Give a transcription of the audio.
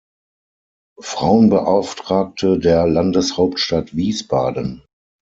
Frauenbeauftragte der Landeshauptstadt Wiesbaden.